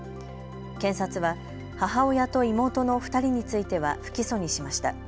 検察は母親と妹の２人については不起訴にしました。